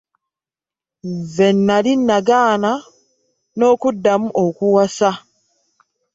Nze nnali nagaana n'okuddamu okuwasa.